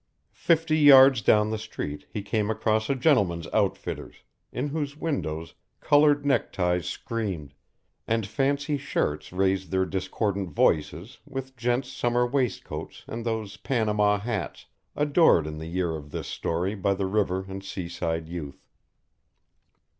Fifty yards down the street he came across a Gentlemen's Outfitters, in whose windows coloured neckties screamed, and fancy shirts raised their discordant voices with Gent's summer waistcoats and those panama hats, adored in the year of this story by the river and sea side youth.